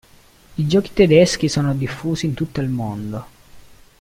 I giochi tedeschi sono diffusi in tutto il mondo.